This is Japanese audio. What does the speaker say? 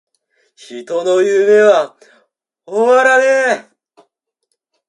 人の夢は!!!終わらねェ!!!!